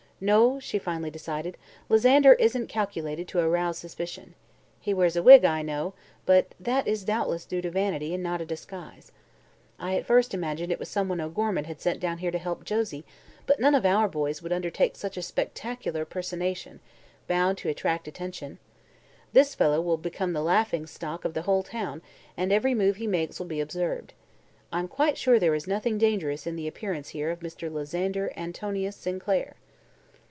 "No," she finally decided, "Lysander isn't calculated to arouse suspicion. He wears a wig, I know, but that is doubtless due to vanity and not a disguise. I at first imagined it was someone O'Gorman had sent down here to help Josie, but none of our boys would undertake such a spectacular personation, bound to attract attention. This fellow will become the laughing stock of the whole town and every move he makes will be observed. I'm quite sure there is nothing dangerous in the appearance here of Mr. Lysander Antonius Sinclair."